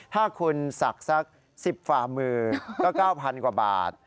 ถ้าคุณศักดิ์สัก๑๐ฝ่ามือก็๙๐๐กว่าบาท